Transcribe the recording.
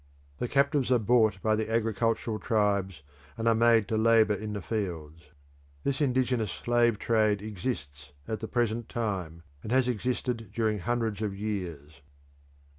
The captives are bought by the agricultural tribes, and are made to labour in the fields. This indigenous slave trade exists at the present time, and has existed during hundreds of years.